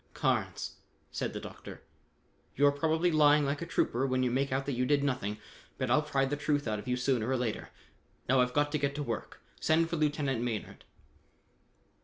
"Carnes," said the Doctor, "you're probably lying like a trooper when you make out that you did nothing, but I'll pry the truth out of you sooner or later. Now I've got to get to work. Send for Lieutenant Maynard."